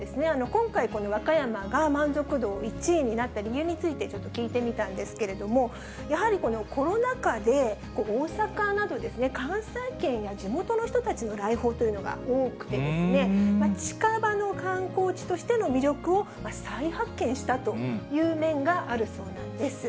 今回、この和歌山が満足度１位になった理由について、ちょっと聞いてみたんですけれども、やはりこのコロナ禍で、大阪などですね、関西圏や地元の人たちの来訪というのが多くてですね、近場の観光地としての魅力を再発見したという面があるそうなんです。